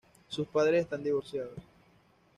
Sus padres están divorciados.